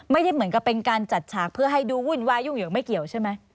ไม่ได้เหมือนกับเป็นการจัดฉากเพื่อให้ดูวุ่นวายยุ่งเหยิงไม่เกี่ยวใช่ไหม